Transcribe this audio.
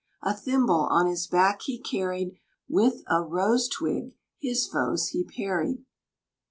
A thimble on his back he carried, With a rose twig his foes he parried.